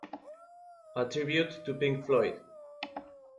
A tribute to Pink Floyd".